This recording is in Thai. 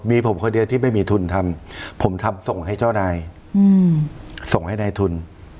มีผมคนเดียวที่ไม่มีทุนทำผมทำส่งให้เจ้านายส่งให้นายทุน